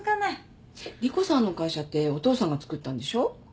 莉湖さんの会社ってお父さんがつくったんでしょ？